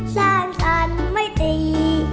สร้างสรรค์ไม่ตี